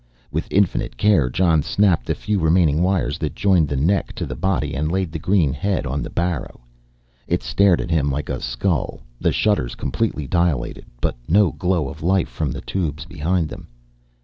With infinite care Jon snapped the few remaining wires that joined the neck to the body and laid the green head on the barrow. It stared at him like a skull, the shutters completely dilated, but no glow of life from the tubes behind them.